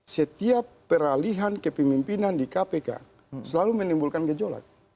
setiap peralihan kepemimpinan di kpk selalu menimbulkan gejolak